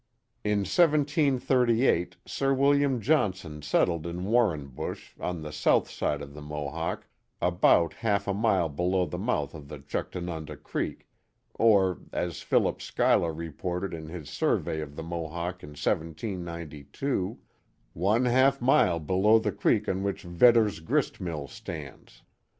In 1738 Sir William Johnson settled in VVarrensbush on the south side of the Mohawk, about half a mile below the mouth of the Juchtanunda Creek, or, as Philip Schuyler reported in his survey of the Mohawk in 1792, one half mile below the creek on which Vedder's grist mill stands.'